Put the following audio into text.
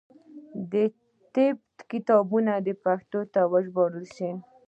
د طب کتابونه پښتو ته ژباړل شوي.